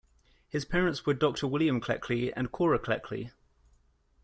His parents were Doctor William Cleckley and Cora Cleckley.